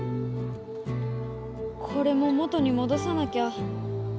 これも元にもどさなきゃ。